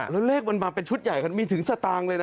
แล้วเลขมันมาเป็นชุดใหญ่มีถึงสตางค์เลยนะ